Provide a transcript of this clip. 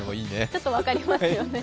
ちょっと分かりますよね。